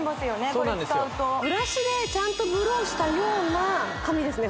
これ使うとブラシでちゃんとブローしたような髪ですね